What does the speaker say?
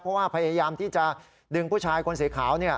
เพราะว่าพยายามที่จะดึงผู้ชายคนสีขาวเนี่ย